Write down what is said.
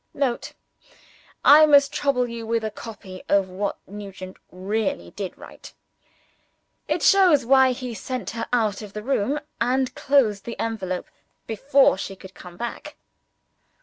[Note. I must trouble you with a copy of what Nugent really did write. It shows why he sent her out of the room, and closed the envelope before she could come back.